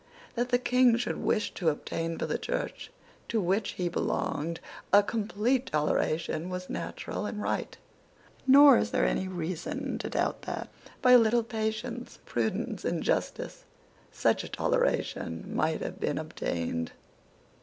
That the King should wish to obtain for the Church to which he belonged a complete toleration was natural and right; nor is there any reason to doubt that, by a little patience, prudence, and justice, such a toleration might have been obtained.